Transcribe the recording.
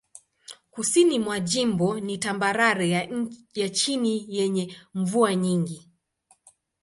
Kusini mwa jimbo ni tambarare ya chini yenye mvua nyingi.